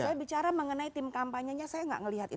saya bicara mengenai tim kampanyenya